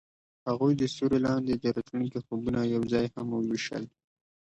هغوی د ستوري لاندې د راتلونکي خوبونه یوځای هم وویشل.